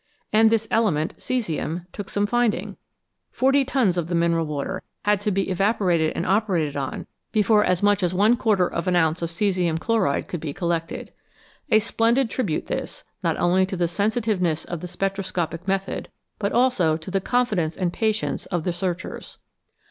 And this element, caesium, took some finding ! Forty tons of the mineral water had to be evaporated and operated on before as much as one 213 CHEMISTRY OF THE STARS quarter of an ounce of caesium chloride could be collected. A splendid tribute this, not only to the sensitiveness of the spectroscopic method, but also to the confidence and patience of the searchers.